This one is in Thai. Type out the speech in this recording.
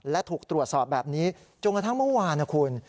และถูกตรวจสอบแบบนี้จนกระทั่งเมื่อวานนะคุณ